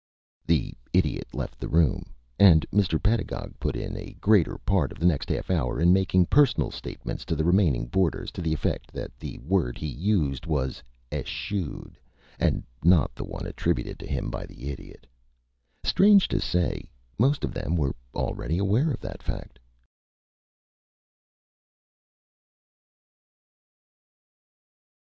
The Idiot left the room, and Mr. Pedagog put in a greater part of the next half hour in making personal statements to the remaining boarders to the effect that the word he used was eschewed, and not the one attributed to him by the Idiot. Strange to say, most of them were already aware of that fact.